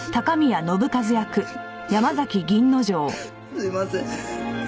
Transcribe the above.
すいません。